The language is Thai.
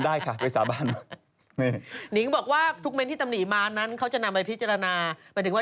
เด็กมันเอาเงินของฉันไปจริงค่ะ